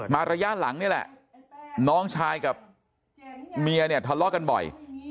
ระยะหลังนี่แหละน้องชายกับเมียเนี่ยทะเลาะกันบ่อย